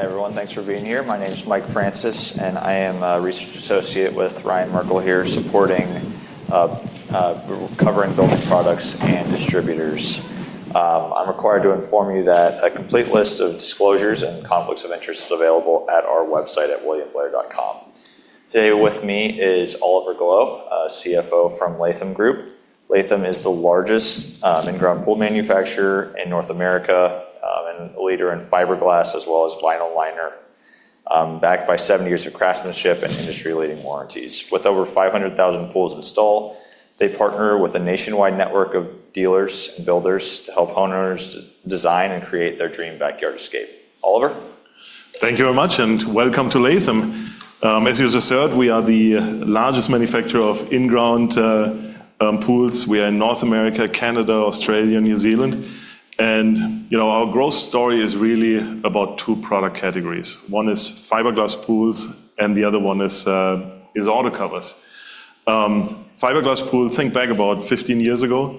Hi, everyone. Thanks for being here. My name is Mike Francis, and I am a research associate with Ryan Merkel here, supporting, covering building products and distributors. I'm required to inform you that a complete list of disclosures and conflicts of interest is available at our website at williamblair.com. Today with me is Oliver Gloe, CFO from Latham Group. Latham is the largest in-ground pool manufacturer in North America and a leader in fiberglass, as well as vinyl liner, backed by 70 years of craftsmanship and industry-leading warranties. With over 500,000 pools installed, they partner with a nationwide network of dealers and builders to help homeowners design and create their dream backyard escape. Oliver? Thank you very much, welcome to Latham. As you just said, we are the largest manufacturer of in-ground pools. We are in North America, Canada, Australia, and New Zealand. Our growth story is really about two product categories. One is fiberglass pools, and the other one is auto covers. Fiberglass pools, think back about 15 years ago,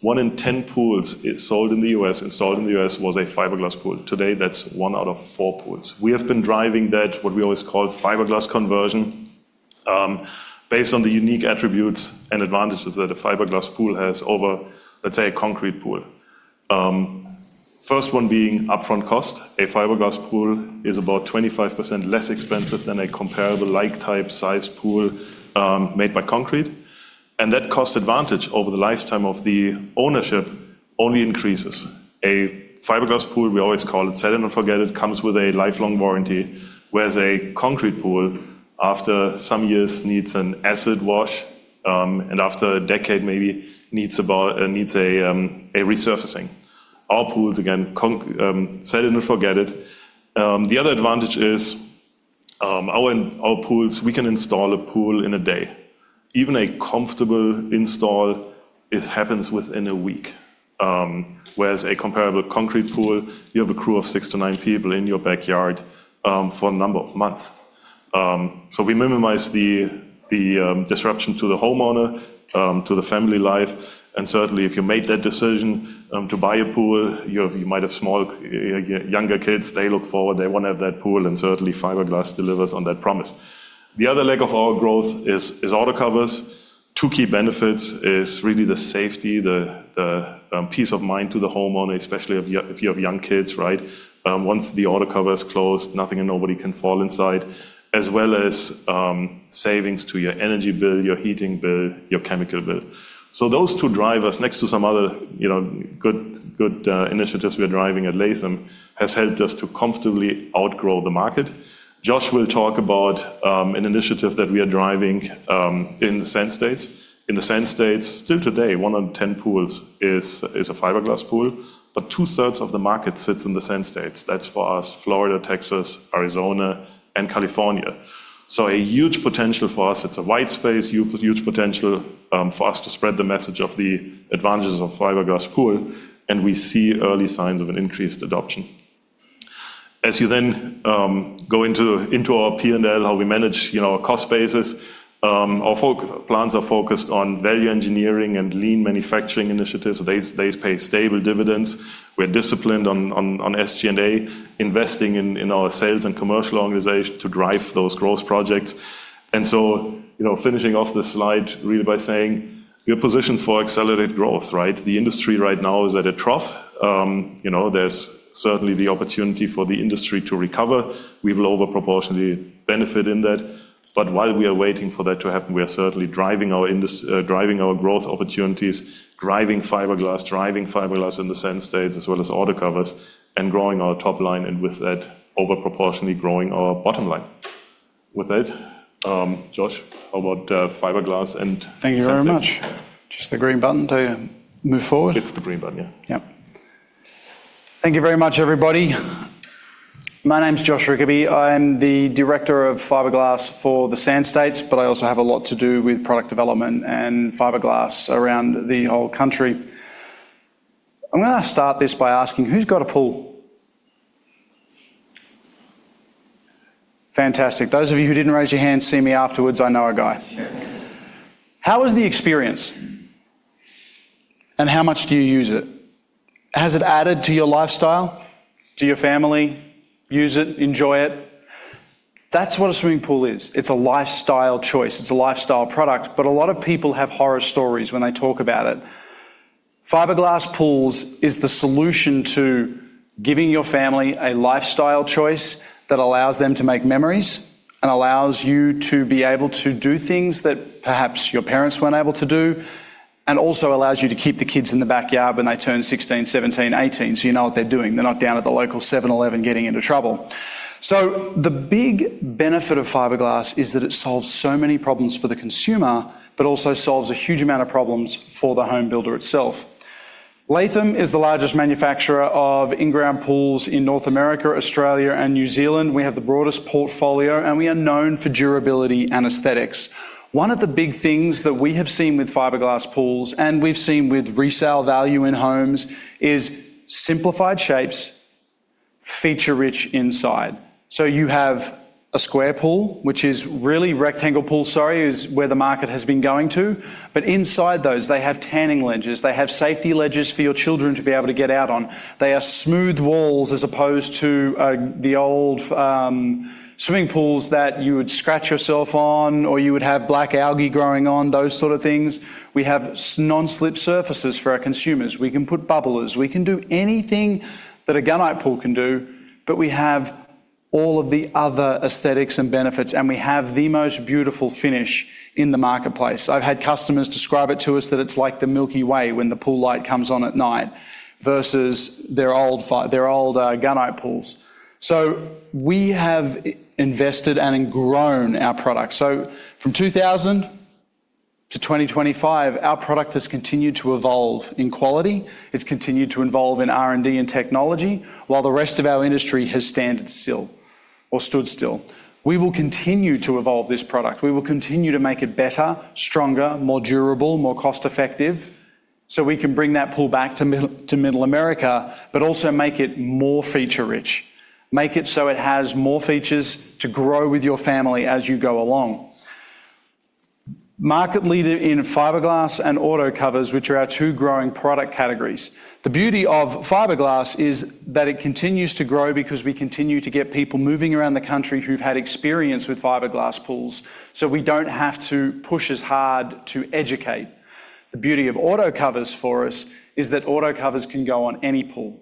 one in 10 pools sold in the U.S., installed in the U.S., was a fiberglass pool. Today, that's one out of four pools. We have been driving that, what we always call fiberglass conversion, based on the unique attributes and advantages that a fiberglass pool has over, let's say, a concrete pool. First one being upfront cost. A fiberglass pool is about 25% less expensive than a comparable like type size pool made by concrete. That cost advantage over the lifetime of the ownership only increases. A fiberglass pool, we always call it set it and forget it, comes with a lifelong warranty, whereas a concrete pool, after some years, needs an acid wash, and after a decade maybe, needs a resurfacing. Our pools, again, set it and forget it. The other advantage is, our pools, we can install a pool in a day. Even a comfortable install, it happens within a week, whereas a comparable concrete pool, you have a crew of six to nine people in your backyard for a number of months. So we minimize the disruption to the homeowner, to the family life, and certainly, if you made that decision to buy a pool, you might have younger kids, they look forward, they want to have that pool, and certainly, fiberglass delivers on that promise. The other leg of our growth is auto covers. Two key benefits is really the safety, the peace of mind to the homeowner, especially if you have young kids, right? Once the auto cover is closed, nothing and nobody can fall inside, as well as savings to your energy bill, your heating bill, your chemical bill. Those two drivers, next to some other good initiatives we are driving at Latham, has helped us to comfortably outgrow the market. Josh will talk about an initiative that we are driving in the Sand States. In the Sand States, still today, one in 10 pools is a fiberglass pool, but 2/3 of the market sits in the Sand States. That's, for us, Florida, Texas, Arizona, and California. A huge potential for us. It's a wide space, huge potential for us to spread the message of the advantages of fiberglass pool, and we see early signs of an increased adoption. As you go into our P&L, how we manage our cost basis, our plans are focused on value engineering and lean manufacturing initiatives. They pay stable dividends. We're disciplined on SG&A, investing in our sales and commercial organization to drive those growth projects. Finishing off this slide, really by saying, we are positioned for accelerated growth, right? The industry right now is at a trough. There's certainly the opportunity for the industry to recover. We will overproportionally benefit in that. While we are waiting for that to happen, we are certainly driving our growth opportunities, driving fiberglass, driving fiberglass in the Sand States, as well as auto covers, and growing our top line, and with that, overproportionally growing our bottom line. With that, Josh, about fiberglass. Thank you very much. Sand States. Just the green button to move forward? It's the green button, yeah. Thank you very much, everybody. My name's Josh Rickaby. I am the director of fiberglass for the Sand States. I also have a lot to do with product development and fiberglass around the whole country. I'm going to start this by asking, who's got a pool? Fantastic. Those of you who didn't raise your hands, see me afterwards. I know a guy. How was the experience? How much do you use it? Has it added to your lifestyle? Do your family use it, enjoy it? That's what a swimming pool is. It's a lifestyle choice. It's a lifestyle product. A lot of people have horror stories when they talk about it. fiberglass pools is the solution to giving your family a lifestyle choice that allows them to make memories and allows you to be able to do things that perhaps your parents weren't able to do, and also allows you to keep the kids in the backyard when they turn 16, 17, 18, you know what they're doing. They're not down at the local 7-Eleven getting into trouble. The big benefit of fiberglass is that it solves so many problems for the consumer, but also solves a huge amount of problems for the home builder itself. Latham is the largest manufacturer of in-ground pools in North America, Australia, and New Zealand. We have the broadest portfolio, and we are known for durability and aesthetics. One of the big things that we have seen with fiberglass pools, and we've seen with resale value in homes, is simplified shapes, feature-rich inside. You have A square pool, which is really rectangle pool, sorry, is where the market has been going to. Inside those, they have tanning ledges, they have safety ledges for your children to be able to get out on. They are smooth walls, as opposed to the old swimming pools that you would scratch yourself on, or you would have black algae growing on, those sort of things. We have non-slip surfaces for our consumers. We can put bubblers. We can do anything that a gunite pool can do, but we have all of the other aesthetics and benefits, and we have the most beautiful finish in the marketplace. I've had customers describe it to us that it's like the Milky Way when the pool light comes on at night versus their old gunite pools. We have invested and grown our product. From 2000 to 2025, our product has continued to evolve in quality, it's continued to evolve in R&D and technology while the rest of our industry has stood still. We will continue to evolve this product. We will continue to make it better, stronger, more durable, more cost-effective, so we can bring that pool back to Middle America, but also make it more feature-rich, make it so it has more features to grow with your family as you go along. Market leader in fiberglass and auto covers, which are our two growing product categories. The beauty of fiberglass is that it continues to grow because we continue to get people moving around the country who've had experience with fiberglass pools, so we don't have to push as hard to educate. The beauty of auto covers for us is that auto covers can go on any pool.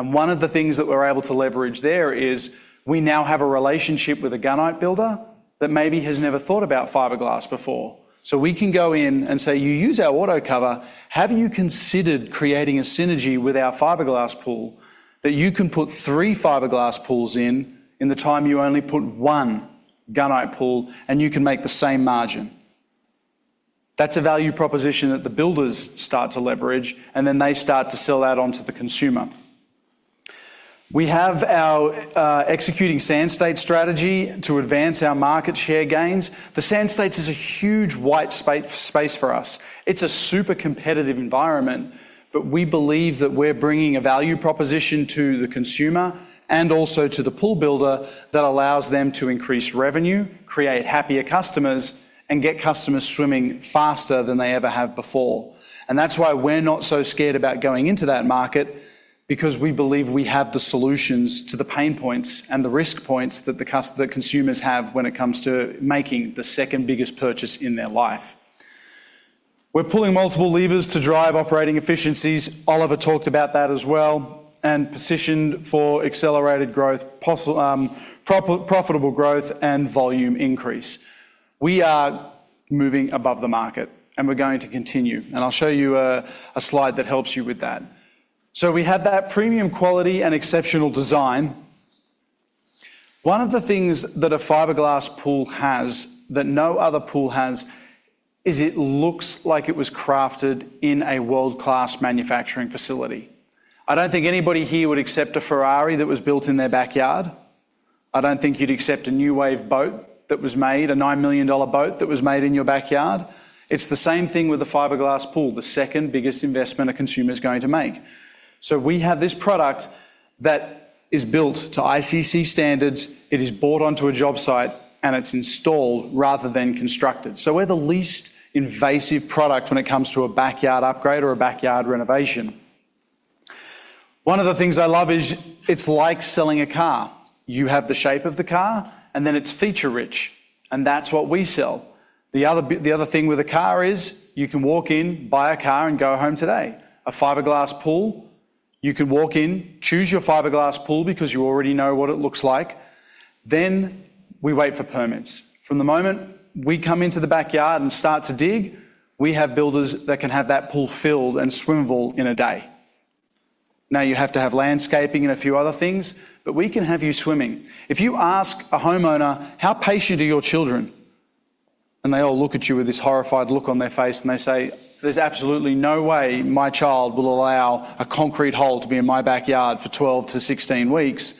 One of the things that we're able to leverage there is we now have a relationship with a gunite builder that maybe has never thought about fiberglass before. We can go in and say, "You use our auto cover. Have you considered creating a synergy with our fiberglass pool that you can put three fiberglass pools in in the time you only put one gunite pool and you can make the same margin?" That's a value proposition that the builders start to leverage, and then they start to sell that on to the consumer. We have our executing Sand States strategy to advance our market share gains. The Sand States is a huge white space for us. It's a super competitive environment. We believe that we're bringing a value proposition to the consumer and also to the pool builder that allows them to increase revenue, create happier customers, and get customers swimming faster than they ever have before. That's why we're not so scared about going into that market because we believe we have the solutions to the pain points and the risk points that the consumers have when it comes to making the second biggest purchase in their life. We're pulling multiple levers to drive operating efficiencies, Oliver talked about that as well, and positioned for accelerated growth, profitable growth and volume increase. We are moving above the market and we're going to continue. I'll show you a slide that helps you with that. We have that premium quality and exceptional design. One of the things that a fiberglass pool has that no other pool has is it looks like it was crafted in a world-class manufacturing facility. I don't think anybody here would accept a Ferrari that was built in their backyard. I don't think you'd accept a New Wave boat that was made, a $9 million boat that was made in your backyard. It's the same thing with a fiberglass pool, the second biggest investment a consumer's going to make. We have this product that is built to ICC standards, it is brought onto a job site, and it's installed rather than constructed. We're the least invasive product when it comes to a backyard upgrade or a backyard renovation. One of the things I love is it's like selling a car. You have the shape of the car, and then it's feature-rich, and that's what we sell. The other thing with a car is you can walk in, buy a car, and go home today. A fiberglass pool, you can walk in, choose your fiberglass pool because you already know what it looks like, then we wait for permits. From the moment we come into the backyard and start to dig, we have builders that can have that pool filled and swimmable in a day. You have to have landscaping and a few other things, but we can have you swimming. If you ask a homeowner, how patient are your children? They all look at you with this horrified look on their face and they say, "There's absolutely no way my child will allow a concrete hole to be in my backyard for 12-16 weeks."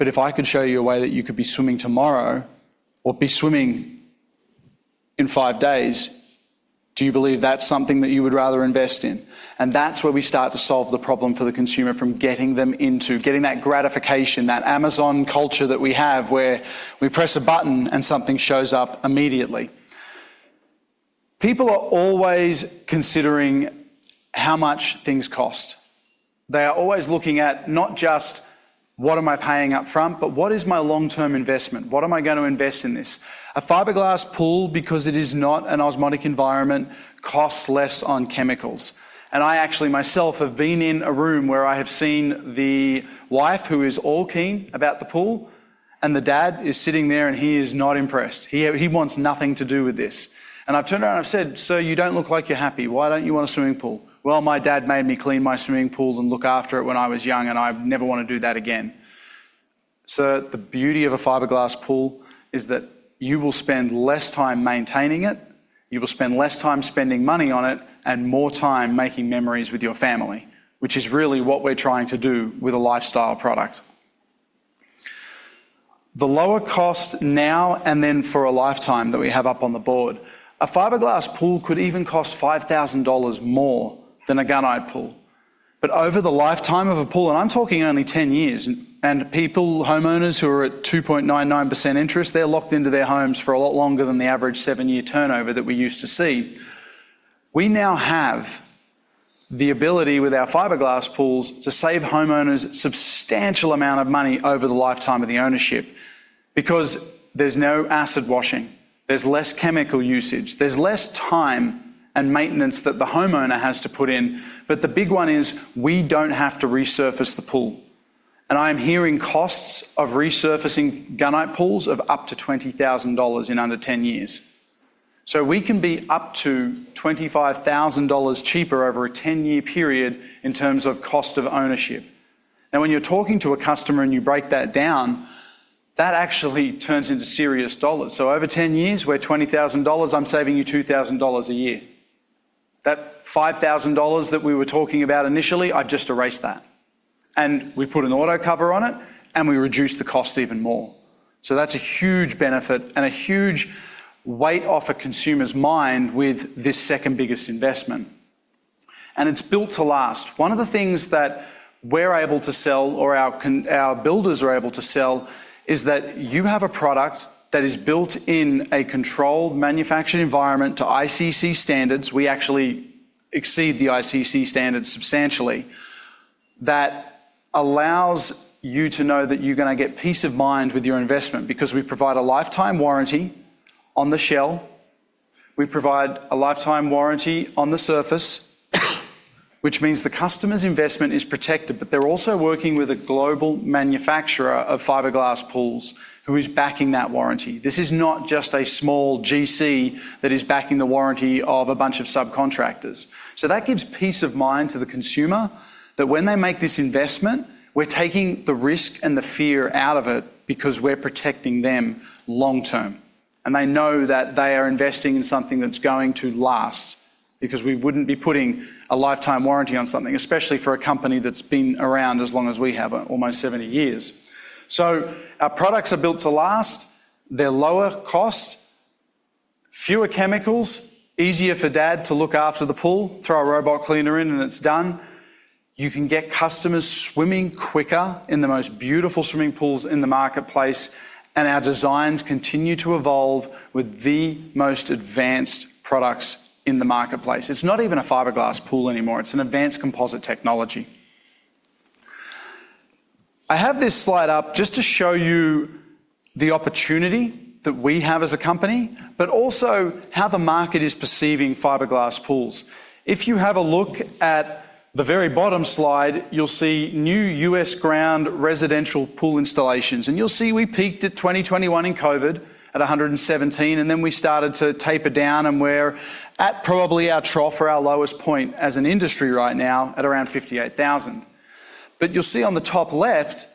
If I could show you a way that you could be swimming tomorrow or be swimming in five days, do you believe that's something that you would rather invest in? That's where we start to solve the problem for the consumer from getting them into getting that gratification, that Amazon culture that we have where we press a button and something shows up immediately. People are always considering how much things cost. They are always looking at not just what am I paying up front, but what is my long-term investment? What am I going to invest in this? A fiberglass pool, because it is not an osmotic environment, costs less on chemicals. I actually myself have been in a room where I have seen the wife who is all keen about the pool, and the dad is sitting there and he is not impressed. He wants nothing to do with this. I've turned around and I've said, "Sir, you don't look like you're happy. Why don't you want a swimming pool?" "Well, my dad made me clean my swimming pool and look after it when I was young, and I never want to do that again." "Sir, the beauty of a fiberglass pool is that you will spend less time maintaining it, you will spend less time spending money on it, and more time making memories with your family," which is really what we're trying to do with a lifestyle product. The lower cost now and then for a lifetime that we have up on the board. A fiberglass pool could even cost $5,000 more than a gunite pool. Over the lifetime of a pool, and I'm talking only 10 years, people, homeowners who are at 2.99% interest, they're locked into their homes for a lot longer than the average seven-year turnover that we used to see. We now have the ability with our fiberglass pools to save homeowners substantial amount of money over the lifetime of the ownership, because there's no acid washing, there's less chemical usage, there's less time and maintenance that the homeowner has to put in. The big one is we don't have to resurface the pool. I am hearing costs of resurfacing gunite pools of up to $20,000 in under 10 years. We can be up to $25,000 cheaper over a 10-year period in terms of cost of ownership. Now, when you're talking to a customer and you break that down, that actually turns into serious dollars. Over 10 years, we're $20,000, I'm saving you $2,000 a year. That $5,000 that we were talking about initially, I've just erased that. We put an auto cover on it, and we reduce the cost even more. That's a huge benefit and a huge weight off a consumer's mind with this second biggest investment. It's built to last. One of the things that we're able to sell or our builders are able to sell is that you have a product that is built in a controlled manufacturing environment to ICC standards. We actually exceed the ICC standards substantially. That allows you to know that you're going to get peace of mind with your investment because we provide a lifetime warranty on the shell. We provide a lifetime warranty on the surface, which means the customer's investment is protected, but they're also working with a global manufacturer of fiberglass pools who is backing that warranty. This is not just a small GC that is backing the warranty of a bunch of subcontractors. That gives peace of mind to the consumer that when they make this investment, we're taking the risk and the fear out of it because we're protecting them long-term, and they know that they are investing in something that's going to last. We wouldn't be putting a lifetime warranty on something, especially for a company that's been around as long as we have, almost 70 years. Our products are built to last. They're lower cost, fewer chemicals, easier for dad to look after the pool, throw a robot cleaner in and it's done. You can get customers swimming quicker in the most beautiful swimming pools in the marketplace, and our designs continue to evolve with the most advanced products in the marketplace. It's not even a fiberglass pool anymore, it's an advanced composite technology. I have this slide up just to show you the opportunity that we have as a company, but also how the market is perceiving fiberglass pools. If you have a look at the very bottom slide, you'll see new U.S. ground residential pool installations. You'll see we peaked at 2021 in COVID at 117, and then we started to taper down, and we're at probably our trough or our lowest point as an industry right now at around 58,000. You'll see on the top left,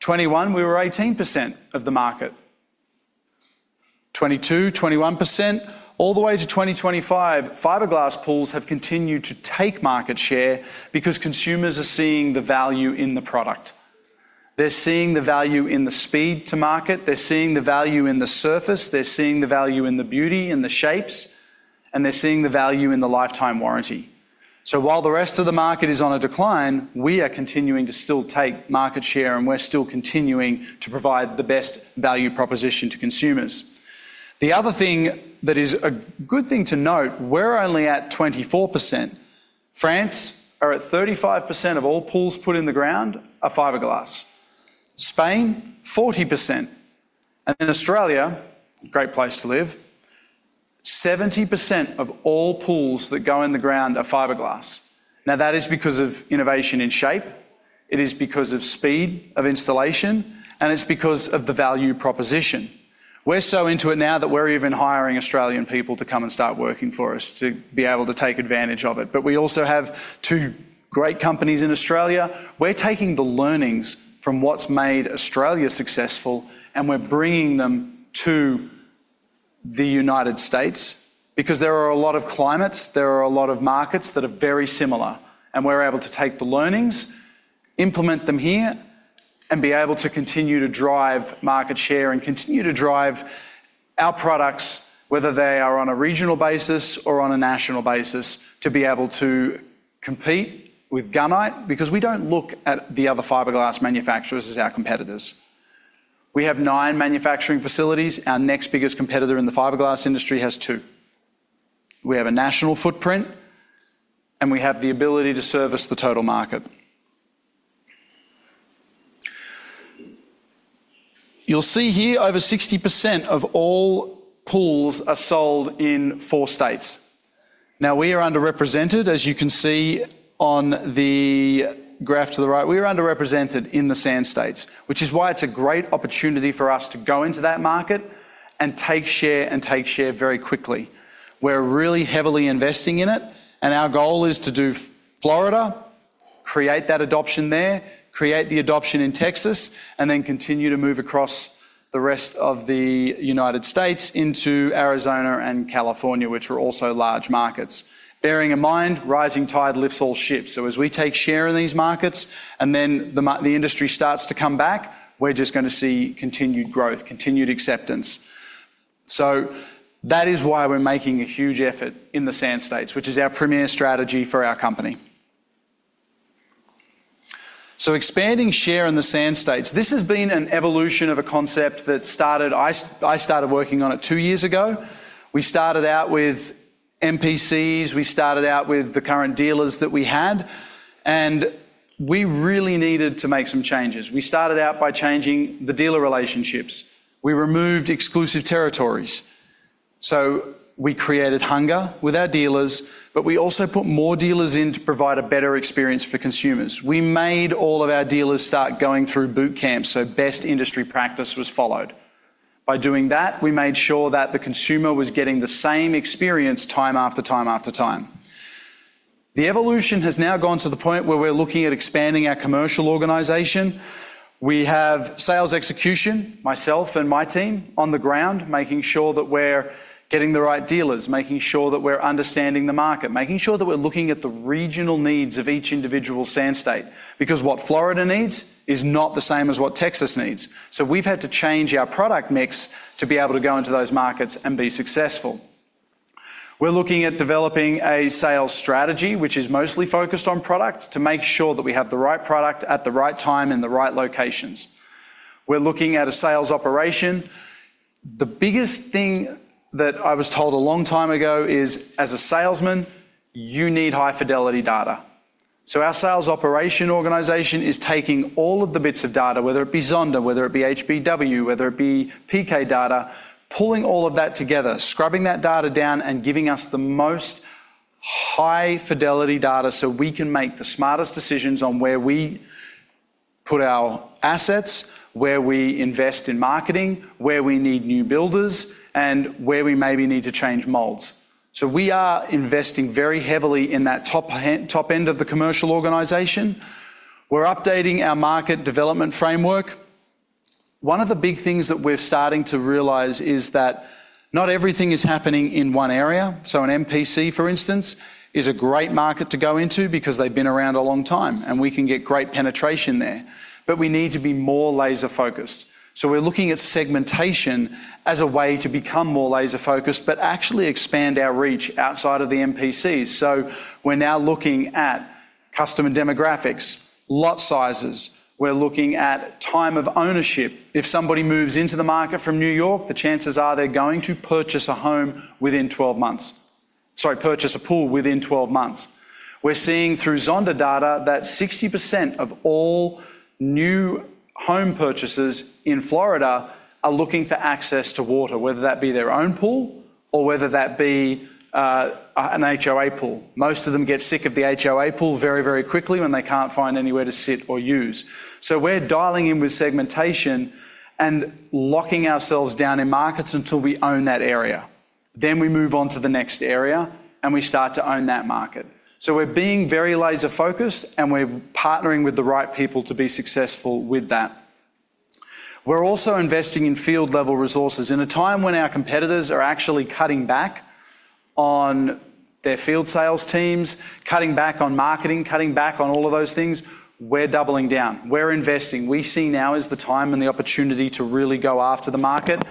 2021, we were 18% of the market. 2022, 21%, all the way to 2025, fiberglass pools have continued to take market share because consumers are seeing the value in the product. They're seeing the value in the speed to market. They're seeing the value in the surface. They're seeing the value in the beauty and the shapes, and they're seeing the value in the lifetime warranty. While the rest of the market is on a decline, we are continuing to still take market share, and we're still continuing to provide the best value proposition to consumers. The other thing that is a good thing to note, we're only at 24%. France are at 35% of all pools put in the ground are fiberglass. Spain, 40%. In Australia, great place to live, 70% of all pools that go in the ground are fiberglass. That is because of innovation in shape, it is because of speed of installation, and it's because of the value proposition. We're so into it now that we're even hiring Australian people to come and start working for us to be able to take advantage of it. We also have two great companies in Australia. We're taking the learnings from what's made Australia successful, and we're bringing them to the U.S. because there are a lot of climates, there are a lot of markets that are very similar, and we're able to take the learnings, implement them here, and be able to continue to drive market share and continue to drive our products, whether they are on a regional basis or on a national basis, to be able to compete with gunite because we don't look at the other fiberglass manufacturers as our competitors. We have nine manufacturing facilities. Our next biggest competitor in the fiberglass industry has two. We have a national footprint, and we have the ability to service the total market. You'll see here over 60% of all pools are sold in four states. We are underrepresented, as you can see on the graph to the right. We are underrepresented in the Sand States, which is why it's a great opportunity for us to go into that market and take share and take share very quickly. We're really heavily investing in it. Our goal is to do Florida, create that adoption there, create the adoption in Texas, and then continue to move across the rest of the United States into Arizona and California, which are also large markets. Bearing in mind, rising tide lifts all ships. As we take share in these markets and then the industry starts to come back, we're just going to see continued growth, continued acceptance. That is why we're making a huge effort in the Sand States, which is our premier strategy for our company. Expanding share in the Sand States, this has been an evolution of a concept that I started working on it two years ago. We started out with MPCs. We started out with the current dealers that we had. We really needed to make some changes. We started out by changing the dealer relationships. We removed exclusive territories. We created hunger with our dealers. We also put more dealers in to provide a better experience for consumers. We made all of our dealers start going through boot camp. Best industry practice was followed. By doing that, we made sure that the consumer was getting the same experience time, after time, after time. The evolution has now gotten to the point where we're looking at expanding our commercial organization. We have sales execution, myself and my team on the ground, making sure that we're getting the right dealers, making sure that we're understanding the market, making sure that we're looking at the regional needs of each individual sand state. What Florida needs is not the same as what Texas needs. We've had to change our product mix to be able to go into those markets and be successful. We're looking at developing a sales strategy, which is mostly focused on product, to make sure that we have the right product at the right time in the right locations. We're looking at a sales operation. The biggest thing that I was told a long time ago is, as a salesman, you need high-fidelity data. Our sales operation organization is taking all of the bits of data, whether it be Zonda, whether it be HBW, whether it be Pkdata, pulling all of that together, scrubbing that data down, and giving us the most high-fidelity data so we can make the smartest decisions on where we put our assets, where we invest in marketing, where we need new builders, and where we maybe need to change molds. We are investing very heavily in that top end of the commercial organization. We're updating our market development framework. One of the big things that we're starting to realize is that not everything is happening in one area. An MPC, for instance, is a great market to go into because they've been around a long time, and we can get great penetration there, but we need to be more laser-focused. We're looking at segmentation as a way to become more laser-focused but actually expand our reach outside of the MPCs. We're now looking at customer demographics, lot sizes. We're looking at time of ownership. If somebody moves into the market from New York, the chances are they're going to purchase a home within 12 months, sorry, purchase a pool within 12 months. We're seeing through Zonda data that 60% of all new home purchases in Florida are looking for access to water, whether that be their own pool or whether that be an HOA pool. Most of them get sick of the HOA pool very, very quickly when they can't find anywhere to sit or use. We're dialing in with segmentation and locking ourselves down in markets until we own that area. We move on to the next area, and we start to own that market. We're being very laser-focused, and we're partnering with the right people to be successful with that. We're also investing in field-level resources. In a time when our competitors are actually cutting back on their field sales teams, cutting back on marketing, cutting back on all of those things, we're doubling down. We're investing. We see now as the time and the opportunity to really go after the market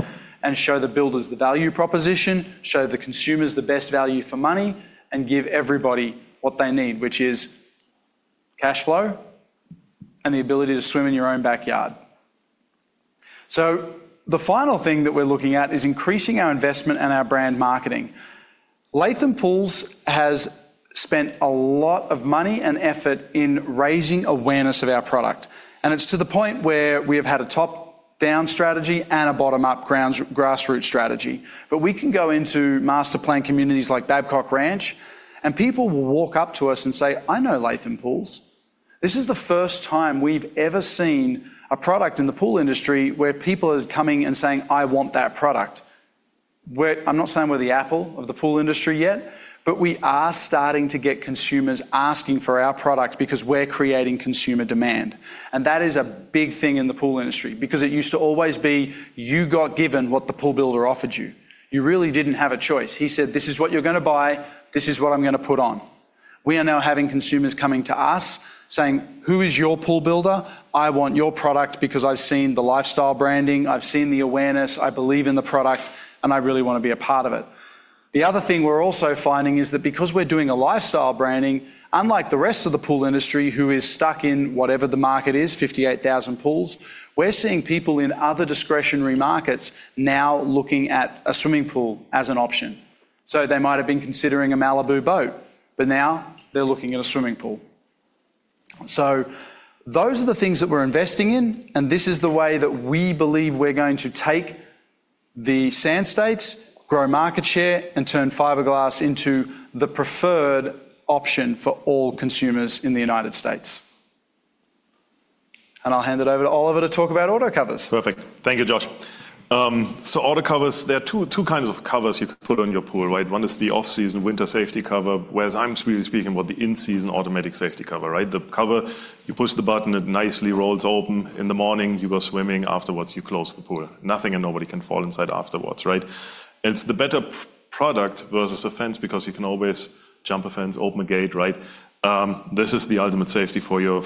and show the builders the value proposition, show the consumers the best value for money, and give everybody what they need, which is cash flow and the ability to swim in your own backyard. The final thing that we're looking at is increasing our investment and our brand marketing. Latham Pools has spent a lot of money and effort in raising awareness of our product, it's to the point where we have had a top-down strategy and a bottom-up grassroots strategy. We can go into Master-Planned Communities like Babcock Ranch, and people will walk up to us and say, "I know Latham Pools." This is the first time we've ever seen a product in the pool industry where people are coming and saying, "I want that product." I'm not saying we're the Apple of the pool industry yet, but we are starting to get consumers asking for our product because we're creating consumer demand, and that is a big thing in the pool industry. It used to always be you got given what the pool builder offered you. You really didn't have a choice. He said, "This is what you're going to buy. This is what I'm going to put on." We are now having consumers coming to us saying, "Who is your pool builder? I want your product because I've seen the lifestyle branding, I've seen the awareness, I believe in the product, and I really want to be a part of it." The other thing we're also finding is that because we're doing a lifestyle branding, unlike the rest of the pool industry who is stuck in whatever the market is, 58,000 pools, we're seeing people in other discretionary markets now looking at a swimming pool as an option. They might have been considering a Malibu Boats, but now they're looking at a swimming pool. Those are the things that we're investing in, and this is the way that we believe we're going to take the Sand States, grow market share, and turn fiberglass into the preferred option for all consumers in the United States. I'll hand it over to Oliver to talk about auto covers. Perfect. Thank you, Josh. Auto covers, there are two kinds of covers you can put on your pool, right? One is the off-season winter safety cover, whereas I'm really speaking about the in-season automatic safety cover, right? The cover, you push the button, it nicely rolls open. In the morning, you go swimming. Afterwards, you close the pool. Nothing and nobody can fall inside afterwards, right? It's the better Product versus a fence, because you can always jump a fence, open a gate, right? This is the ultimate safety for your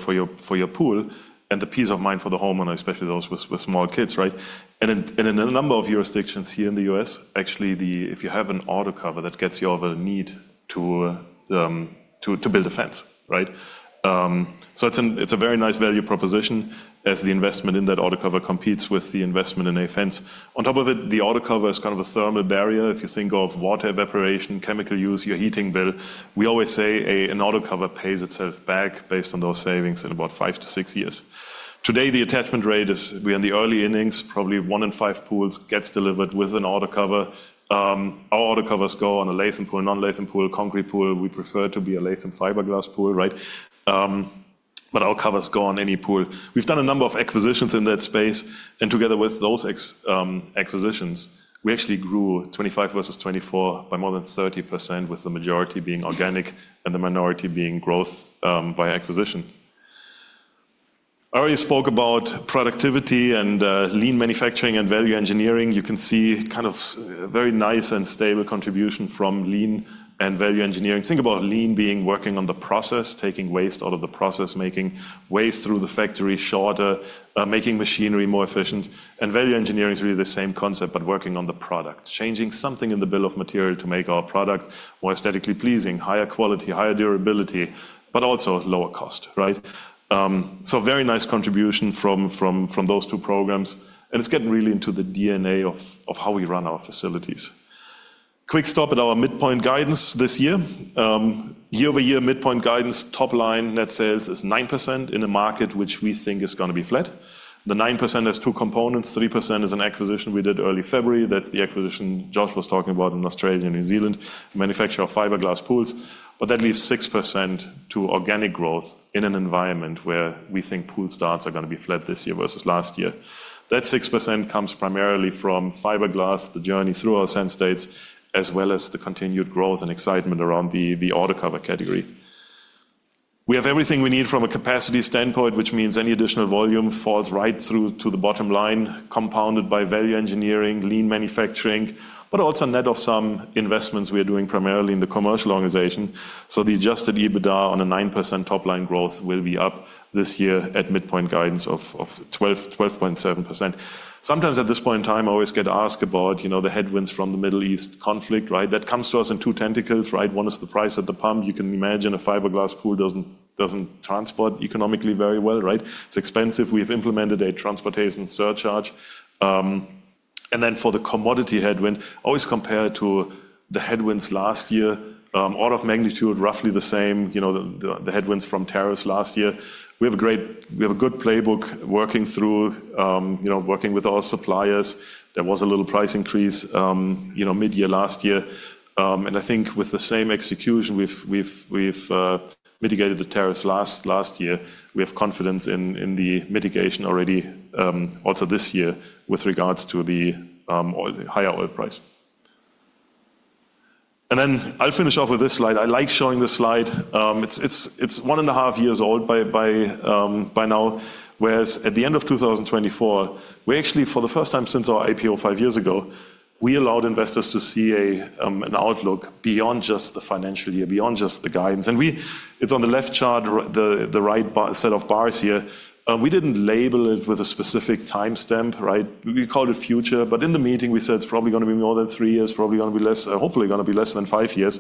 pool and the peace of mind for the homeowner, especially those with small kids, right? In a number of jurisdictions here in the U.S., actually, if you have an auto cover, that gets you of a need to build a fence, right? It's a very nice value proposition as the investment in that auto cover competes with the investment in a fence. On top of it, the auto cover is kind of a thermal barrier. If you think of water evaporation, chemical use, your heating bill. We always say an auto cover pays itself back based on those savings in about five to six years. Today, the attachment rate is, we are in the early innings, probably one in five pools gets delivered with an auto cover. Our auto covers go on a Latham pool, non-Latham pool, concrete pool. We prefer to be a Latham fiberglass pool, right? Our covers go on any pool. We've done a number of acquisitions in that space, and together with those acquisitions, we actually grew 2025 versus 2024 by more than 30%, with the majority being organic and the minority being growth by acquisitions. I already spoke about productivity and lean manufacturing and value engineering. You can see kind of very nice and stable contribution from lean and value engineering. Think about lean being working on the process, taking waste out of the process, making ways through the factory shorter, making machinery more efficient. Value engineering is really the same concept, but working on the product. Changing something in the bill of material to make our product more aesthetically pleasing, higher quality, higher durability, but also lower cost, right? Very nice contribution from those two programs. It's getting really into the DNA of how we run our facilities. Quick stop at our midpoint guidance this year. Year-over-year, midpoint guidance top line net sales is 9% in a market which we think is going to be flat. The 9% has two components. 3% is an acquisition we did early February. That's the acquisition Josh was talking about in Australia and New Zealand, manufacturer of fiberglass pools. That leaves 6% to organic growth in an environment where we think pool starts are going to be flat this year versus last year. That 6% comes primarily from fiberglass, the journey through our Sand States, as well as the continued growth and excitement around the auto cover category. We have everything we need from a capacity standpoint, which means any additional volume falls right through to the bottom line, compounded by value engineering, lean manufacturing, but also net of some investments we are doing primarily in the commercial organization. The adjusted EBITDA on a 9% top line growth will be up this year at midpoint guidance of 12.7%. Sometimes at this point in time, I always get asked about the headwinds from the Middle East conflict, right? That comes to us in two tentacles, right? One is the price at the pump. You can imagine a fiberglass pool doesn't transport economically very well, right? It's expensive. We've implemented a transportation surcharge. Then for the commodity headwind, always compared to the headwinds last year, order of magnitude roughly the same, the headwinds from tariffs last year. We have a good playbook working through, working with our suppliers. There was a little price increase mid-year last year. I think with the same execution we've mitigated the tariffs last year, we have confidence in the mitigation already also this year with regards to the higher oil price. Then I'll finish off with this slide. I like showing this slide. It's 1.5 years old by now, whereas at the end of 2024, we actually, for the first time since our IPO five years ago, we allowed investors to see an outlook beyond just the financial year, beyond just the guidance. It's on the left chart, the right set of bars here. We didn't label it with a specific timestamp, right? We called it future, but in the meeting, we said it's probably going to be more than three years, probably going to be less, hopefully going to be less than five years.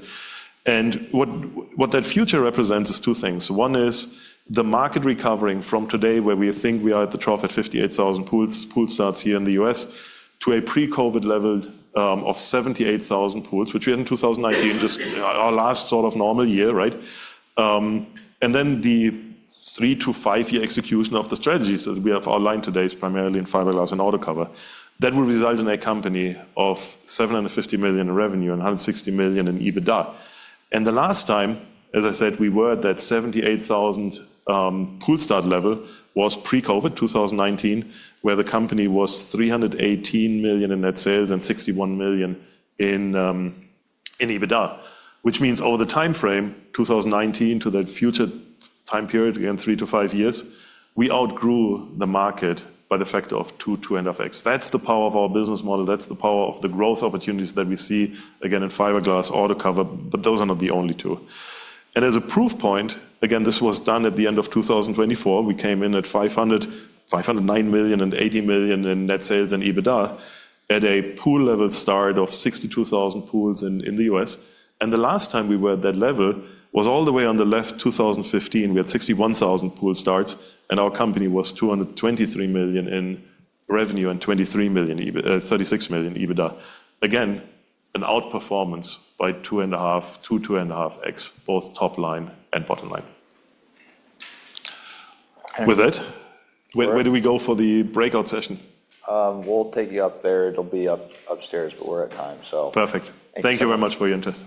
What that future represents is two things. One is the market recovering from today, where we think we are at the trough at 58,000 pool starts here in the U.S., to a pre-COVID level of 78,000 pools, which we had in 2019, just our last sort of normal year, right? The three to five-year execution of the strategies that we have outlined today is primarily in fiberglass and auto cover. That will result in a company of $750 million in revenue and $160 million in EBITDA. The last time, as I said, we were at that 78,000 pool start level was pre-COVID, 2019, where the company was $318 million in net sales and $61 million in EBITDA. Which means over the timeframe, 2019 to that future time period, again, three to five years, we outgrew the market by the factor of two to end of X. That's the power of our business model. That's the power of the growth opportunities that we see, again, in fiberglass, auto cover, but those are not the only two. As a proof point, again, this was done at the end of 2024. We came in at $509 million and $80 million in net sales and EBITDA at a pool level start of 62,000 pools in the U.S. The last time we were at that level was all the way on the left, 2015. We had 61,000 pool starts, and our company was $223 million in revenue and $36 million in EBITDA. An outperformance by 2.5, 2x-2.5x, both top line and bottom line. Where do we go for the breakout session? We'll take you up there. It'll be upstairs, but we're at time, so- Perfect. Thank you very much for your interest.